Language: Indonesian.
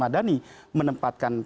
bagaimana dengan pak prabowo